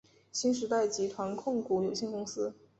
新时代集团控股有限公司。